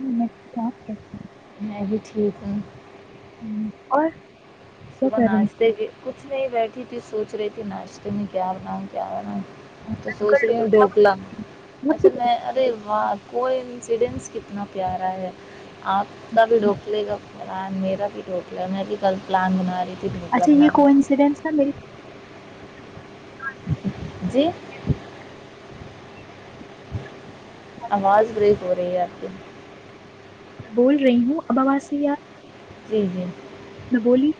میں بات کرتی میں بھی ٹھیک ہوں ہوں اور کیا صب کر رہی ہوں نستے کی کو کچ میں ہی بیٹھی تھی سوچ رہی تھی ناشتے میں کیا بنا کیا بنا تو میں سوچ کر رہی لوں ہوں اب ڈھوکلا بہت بھی اچھا دیکھ میں ارے وہاں وہ انسیڈنس کتنا پیارا ہے آپ کا بھی رہی ڈھوک لے گا میرا بھی رٹوک لیا میں نے کہ کل للاانگ نہاری اچھا یہ کوئی انسیڈینس ن میری جی آواز برییک ہو رہی ہے آپ کی میں بول رہی ہوں ابواسییا جی جی بولی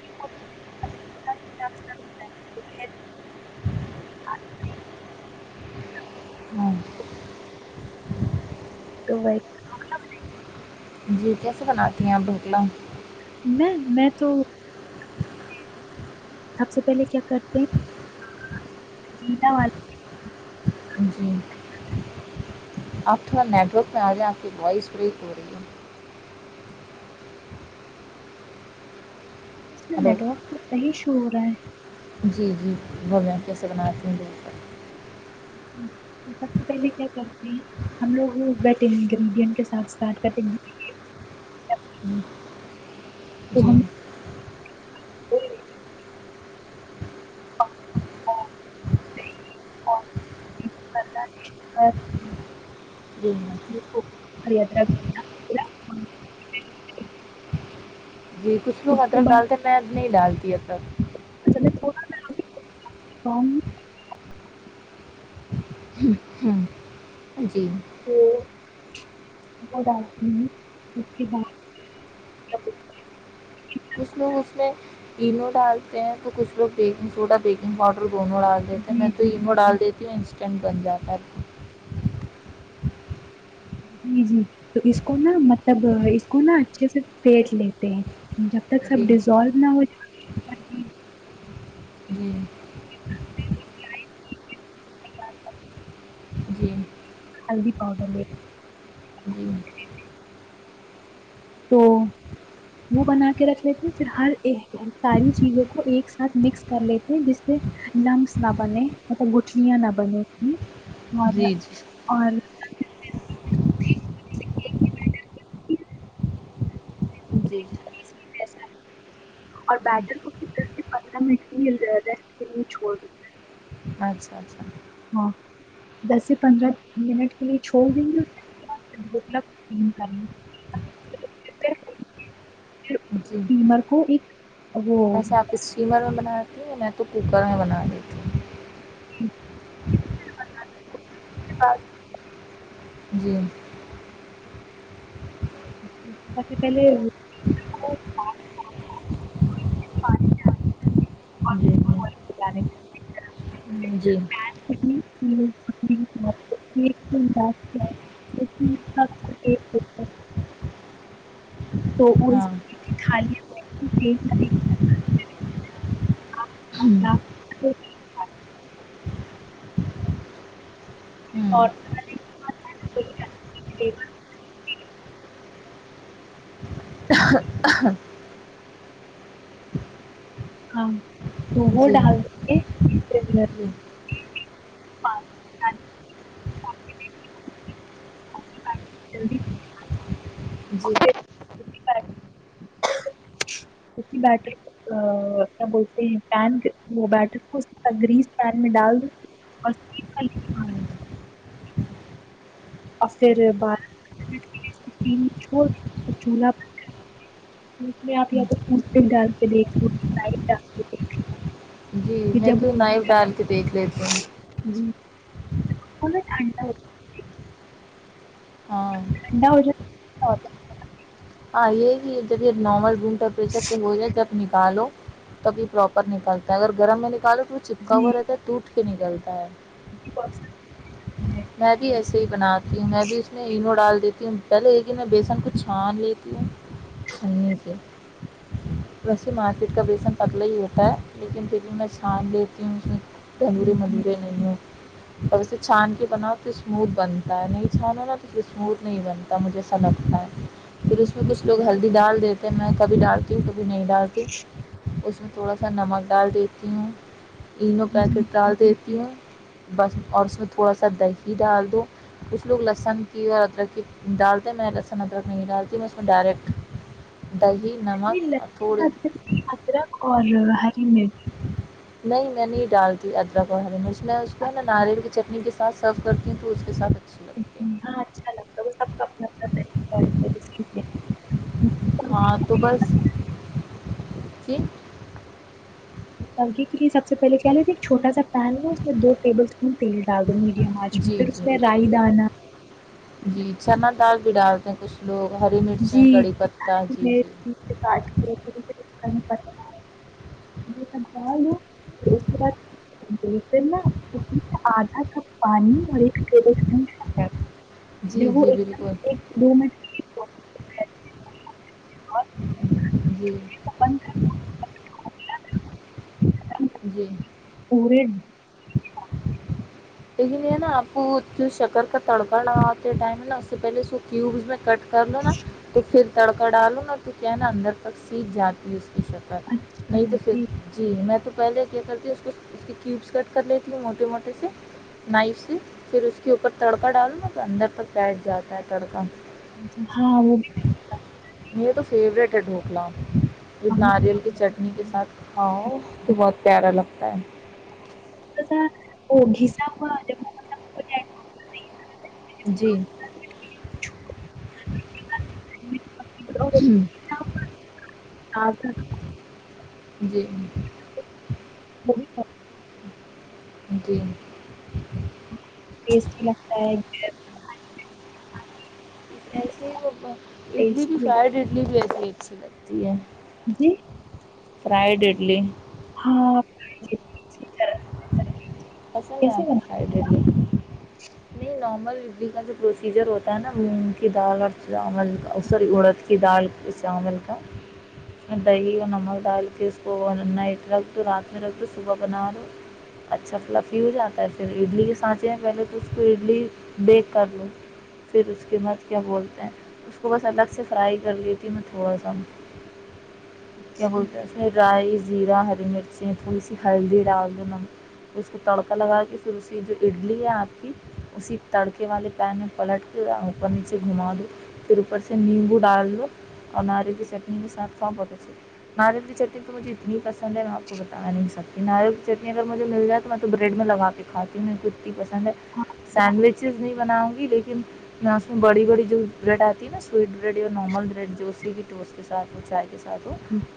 [inaudible] [inaudible] دبئی جی کیسے بناتی ہیں آپ بھوٹلا میں میں تو سب سے پہلے کیا کرتے ہیں ج والاز جی آپ تھوڑا نیٹورک پہ آ جے آپ کی وائس بریک ہو رہی ہے ہلو نیٹک پر سحش س رہا ہے جی جی بھو کیسے بناتتی ہوں ب سب سے پہلے کیا کرتے ہیں ہم لوگ بیٹ انگریڈینٹ کے ساتھ اسٹارٹ کرتے تو جی ہم [inaudible] جی یادراد جی کچھل مطلب گ تو میں نہیں ڈال دیا ار [unintelligible] ہاں جی تو گڈ آفٹر نون اس کی بات کچھ لوگ اس میں تینو ڈالتے ہیں تو کچھ لوگ بیکنگ سوڈا بیکنگ پاؤڈر دونوں ڈال دیتے بولتے میں ہیں- جی تو جی انو ڈال دیتے کیوں انسٹنٹ بن جاتا جی جی تو اس کو نا مطلب اس کو نا اچھے سے پھینٹ لیتے ہیں جب تک سب جی ڈیزالو نہ ہو ج جی جی جی ہلدی پؤڈلی جی تو وہ بنا کے رکھ لیتے پھر ہر ساری چیزوں کو ایک ساتھ مکس کر لیتے جس سے لمس نہ بنے مطلب گٹھلیاں نہ بنے اس میں اور جی جی اور پھر جی ا اور بیٹر کو پھر دس سے پندرہ منٹ کے ریسٹ کے لیے چھوڑ دی اچھا اچھا ہاں دس سے پندرہ منٹ کے لیے چھوڑ دیں گے کریں گے مر کو ایک وہ اچسا آپ شیمر میں ب میں تو کوکر میں بنا دی تھی ااں جی سب سے پہلے جی جی جی [inaudible] ہاں [inaudible] [inaudible] ہوں اور [inaudible] ہاں تو وہ جی ڈال د [inaudible] جی [inaudible] جی ہوں [inaudible] اور پھر بارہ ت چ چلہا آپ یہاں پ ڈال کے دیکھ لائ ڈال دیکھ جی پھر میں جب تو وہ- نائف ڈال کے دیکھ لیتی ہوں کو ٹھنڈا ہو ہاں ٹھنڈا [inaudible] ہاں یہ کہ جب نارمل ٹمپریچر پہ ہو جائے تب نکالو تب یہ پراپر نکالتا ہے اگر گرم میں نکالو تو وہ ہے۔ چپکا جی ہو رہتا ہے ٹوٹ کے نکلتا ہے جی وہ اکثر ہوتا ہے۔ میں بھی ایسے ہی بناتی ہوں میں بھی اس میں اینو ڈال دیتی ہوں پہلے کہ میں بیسن کو چھان لی لیتی ہوں چنی سے ویسے مارکیٹ کا بیسن پتلا ہی ہوتا ہے لیکن پھر بھی میں چھان لیتی ہوں اندورے جی مدورے نہیں ہے اور اسے چھان کے بناؤ تو اسموتھ بنتا ہے نہیں چھان ہے نا تو اسے اسموتھ نہیں بنتا مجھے ایسا لگتا ہے پھر جی اس میں جی کچھ لوگ ہلدی ڈال دیتے تو میں کبھی ڈالتی ہوں نہیں ڈال کے اس تھوڑا سا نمک ڈال دیتی ہوں تینوں جی پیکٹ ڈال دیتی ہوں بس اور اس میں تھوڑا سا سب دہی ڈال دوں کچھ لوگ لہسن کی اور ادرک کی ڈالتے میں لہسن ادرک نہیں ڈال میں اس میں ڈائریکٹ نہیں نمک اور تھوڑی لہسن ادرک اور ہری مرچ نہیں میں نہیں ڈالتی ادرک اور ہری مرچ میں اس کو ہے نا ناریل کی چٹنی کے ساتھ سرو کرتی ہوں تو اس کے ساتھ اچھی لگتی ہے ہاں اچھا لگتا ہے وہ سب کا اپنا اپنا طریقہ ہاں تو بس جی سب سے پہلے کیالتے ایک چھوٹا سا پین ہے اس میں دو ٹیبل اس تیل ڈال دوو میڈیم آج میں جی پھر اس جی میں رائی دانا جی چنا دال بھی ڈالتے ہیں کچھ لوگ ہری مرچیں جی کڑی پتہ جی جی مایا اس کے نا اس میں سے آدھا کپ پانی اور ایک ٹیبلپون جی جی بالکل منٹ کے لیے اور [unintelligible] بند کر ہو [unintelligible] گیا تھا، جی پورے لیکن یہ نا آپ کو شکر کا تڑکا نہ آتے ٹائم ہے نا اس سے پہلے اس کیوب میں کٹ کر ل نا تو پھر تڑکا ڈالوں نا تو کیا ہے نا اندر تک سیھ جاتی ہے اس شتا اچھا نہیں تو پھر ٹھیک جی میں تو پہل کیا کرتی ہے اس کو اس کے کیوبس کٹ کر لیتی موٹے موٹے سے نائف سے پھر اس کے اوپر تڑکا ڈالو نا تو اندر پر بیٹھ جاتا ہے تڑکا ہاں وہ اکھلاام ناریل کی چٹنی کے ساتھ کھاؤ تو بہت پیارا لگتا ہے ا وہ گسا مطب جی اور ہ گھسا ہوا تازہ، جی وہ بھی بہت جی ٹیسٹی ہی لگتا ہے [unintelligible] ایسے ہی اڈلی بھی ٹیسٹی ہوتا ہے۔ فرائڈ اڈلی بھی ای پیٹ سی لگتی ہے جی فرائیڈ اڈلی ہاں پسند ہے کیسے آپ کو بنا ف نہیں نارمل بھی ابھی کا جو پروسیجر ہوتا ہے نا مونگ کی دال اور چاول کا سوری اڑد کی دال چاول کا دہی اور نمک ڈال کے اس کو نائٹ رکھ دو رات میں رکھ دو صبح بنا دو اچھا فلا فی ہو جاتا ہے پھر اڈلی کے سانچے میں پہلے تو اس کو اڈلی بیک کر لو پھر اس کے بعد کیا بولتے ہیں اس کو بس الگ سے فرائی کر لیتی میں تھوڑا سا کیا اچھا بولتے ہیںسے رائس زیرہ ہری مرچی تھوڑی سی ہلدی ڈال دوں م اس کو تڑکا لگا کے پھر اس کی جو اڈلی ہے آپ کی اسی تڑکے والے پین میں پلٹ کے اوپر نیچے گھما دو پھر اوپر سے نیمبو ڈال دو اور ناریل کی چٹنی کے ساتھ خوون بہت اچھے ناریل کی چٹنی تو مجھے اتنی پسند ہے میں آپ کو بتا نہیں سکتی ناریل کی چٹنی اگر مجھے مل جائے تو میں تو بریڈ میں لگ کےھاتی ہوں کتی پس ہاں سینڈوچ میں بناؤں گی لیکن میں اس میں بڑی بڑی جو بریڈ آتی ہے نا سویٹ بریڈ یا نارمل بریڈ جو اس کی بھی ٹوٹ کے ساتھ چائے ساتھ ہو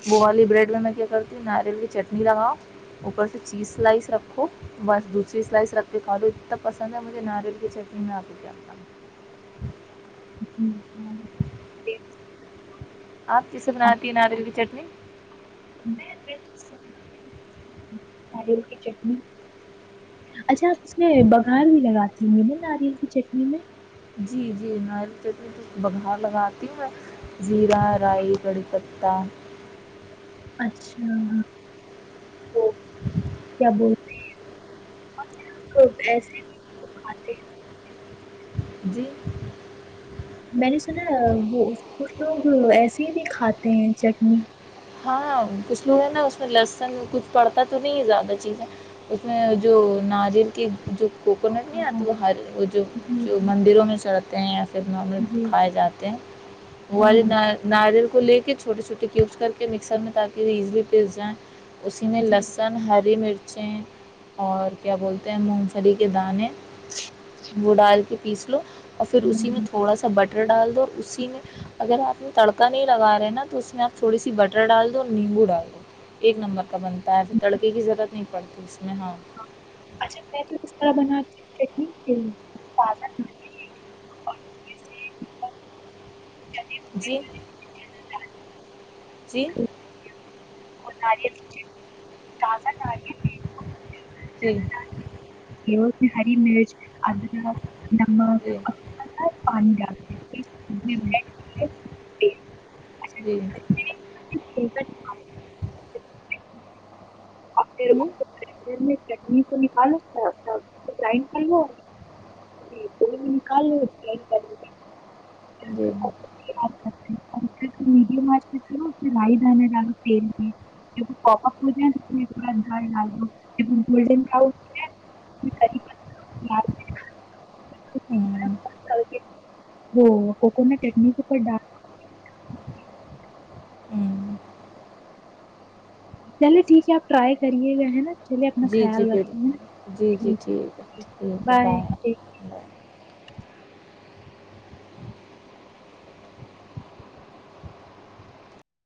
وہو والی بریڈ میںا کیا ناریل کی چٹنی لگاؤ اوپر سے چیز سلائس بس دوسری سلائس رکھ کے کھا دو اتنا پسند ہے مجھے ج آروگیہ چٹنی نپ [inaudible] آپ جس نات ناد کی چ نہیں ناریل کی چٹنی اچھا آپ اس میں بگار بھی لگاتی ہوںی ن ناریل کی چٹنی میں جی جی ناریل چٹنی بگھار لگاتی ہوں میں زیرہ رائی کڑی پتا اچھا تو کیا بولتے گس ک جی میں نے سنا وہ کچھ لوگ ایسے ہی بھی کھاتے ہیں چٹنی ہاں کچھ لوگ ہے نا اس میں لسن کچھ پڑھتا تو نہیں ہے زیادہ چیزیں اس میں جو ناریل کی جو کوکونٹ نہیں آتی ہاں وہ ہر وہ جی جو جی مندروں میں سڑ جی [unintelligible] کھائے جاتے ہیں ہاں ناریل کو لے کے چھوٹے چھوے کیوبس کر کہ مکسر میں تاکہ ریز بھی پس جائیں اسی میں ہاں جی لسن ہری مرچ بچے اور کیا بولتے ہیں مونگ پھلی کے دانے وہ ڈال کے پیس لو اور پھر ہوں اسی میں ہوں تھوڑا سا بٹن ڈال دو اسی میں اگر آپ نے تڑکا نہیں لگا رہے نا تو اس میں آپ تھوڑی سی بٹ کٹرا ڈال دو اور نیمبو ڈال دو ایک نمبر کا بنتا ہے تو تڑکے کی ضرورت نہیں پڑتی تو اس میں ہماں اچھا میں تو کس طرح بن چٹنی تازہ چنے بھنے جی والے چنا دال چیین سچ ازا ک جی ہری مرچ ار ن جی پانڈ آ [unintelligible] تو نکالو کر نکال کر جی مڈ لائی د لگو تل میں پپ اپ ج گا دال لگو گولڈین ب وہ کوک ن ٹیکنک پر ڈ جی چلے ٹھیک ہے آپ ٹرائی کریے گا ہے نا چ لیے اپنا جی خیال جی بالکل رکھیں ہیں جی جی ٹھیک ہے ٹھیک ہے بائے ٹ